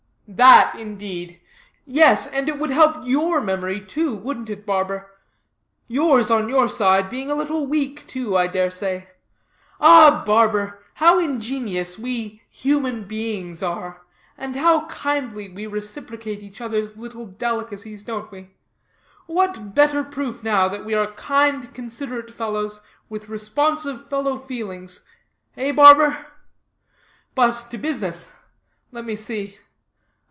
"That, indeed! Yes, and it would help your memory, too, wouldn't it, barber? Yours, on your side, being a little weak, too, I dare say. Ah, barber! how ingenious we human beings are; and how kindly we reciprocate each other's little delicacies, don't we? What better proof, now, that we are kind, considerate fellows, with responsive fellow feelings eh, barber? But to business. Let me see.